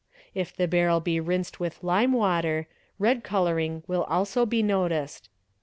If the barrel be rinsed with lime water, — red colouring will also be noticed.